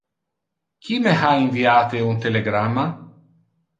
Qui me ha inviate un telegramma?